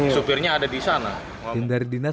supirnya ada di sana